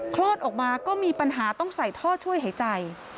คลอดออกมาก็มีปัญหาต้องใส่ท่อช่วยหายใจ